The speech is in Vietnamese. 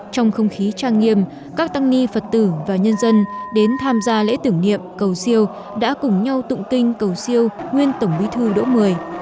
trong không khí trang nghiêm các tăng ni phật tử và nhân dân đến tham gia lễ tưởng niệm cầu siêu đã cùng nhau tụng kinh cầu siêu nguyên tổng bí thư đỗ mười